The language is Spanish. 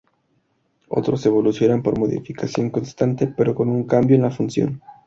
Otros evolucionan por modificación constante, pero con un cambio en la función.